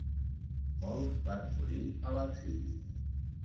Molts van morir a l'exili.